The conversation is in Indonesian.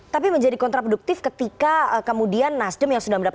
tapi menjadi kontraproduktif ketika kemudian nasdem yang sudah mendapatkan